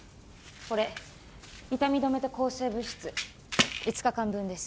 これ痛み止めと抗生物質５日間分です